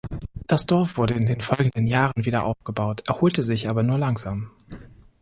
Das Dorf wurde in den folgenden Jahren wieder aufgebaut, erholte sich aber nur langsam.